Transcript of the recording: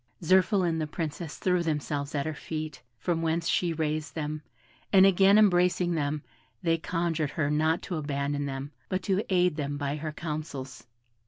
Zirphil and the Princess threw themselves at her feet, from whence she raised them, and again embracing them, they conjured her not to abandon them, but to aid them by her counsels.